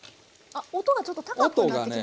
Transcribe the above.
音がちょっと高くなってきましたね。